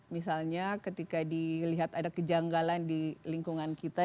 misalnya ketika dilihat ada kejanggalan di lingkungan kita